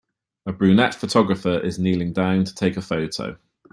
A brunette photographer is kneeling down to take a photo.